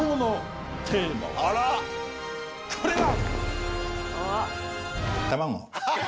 これだ！